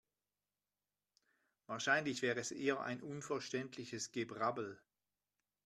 Wahrscheinlich wäre es eher unverständliches Gebrabbel.